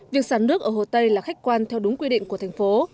việc xả nước ở hồ tây là khách quan theo đúng quy định của thành phố